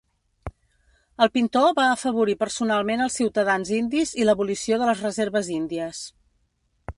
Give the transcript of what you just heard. El pintor va afavorir personalment els ciutadans indis i l"abolició de les reserves índies.